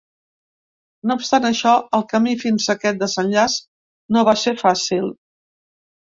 No obstant això, el camí fins a aquest desenllaç no va ser fàcil.